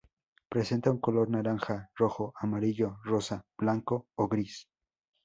Presenta un color naranja, rojo, amarillo, rosa, blanco o gris.